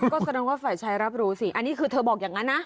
ก็แสดงว่าฝ่ายชายรับรู้สิอันนี้คือเธอบอกอย่างนั้นนะ